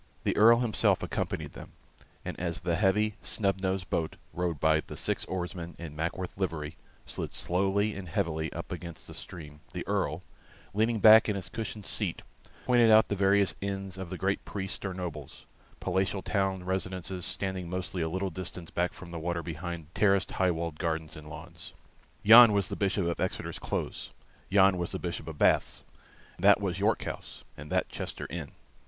The Earl himself accompanied them, and as the heavy snub nosed boat, rowed by the six oarsmen in Mackworth livery, slid slowly and heavily up against the stream, the Earl, leaning back in his cushioned seat, pointed out the various inns of the great priests or nobles; palatial town residences standing mostly a little distance back from the water behind terraced high walled gardens and lawns. Yon was the Bishop of Exeter's Close; yon was the Bishop of Bath's; that was York House; and that Chester Inn.